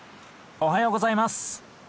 おはようございます！